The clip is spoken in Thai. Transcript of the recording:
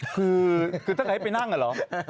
คือถ้าเกิดให้ไปนั่งอะเหรอ